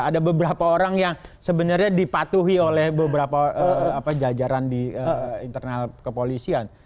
ada beberapa orang yang sebenarnya dipatuhi oleh beberapa jajaran di internal kepolisian